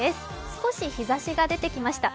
少し日差しが出てきました。